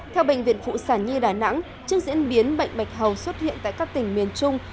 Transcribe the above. theo bệnh viện phụ sản nhi đà nẵng trước diễn biến bệnh bạch hầu xuất hiện tại các tỉnh miền trung